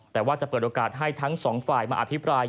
แต่ว่าจะเปิดโอกาสให้ทั้งสองฝ่ายมาอภิปราย